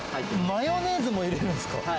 マヨネーズも入れるんですか？